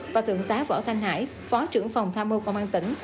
và thượng tá võ thanh hải phó trưởng phòng tham mưu công an tỉnh